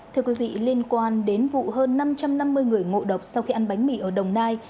thưa quý vị liên quan đến vụ hơn năm trăm năm mươi người ngộ độc sau khi ăn bánh mì ở đồng nai